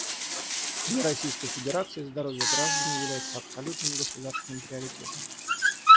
Для Российской Федерации здоровье граждан является абсолютным государственным приоритетом.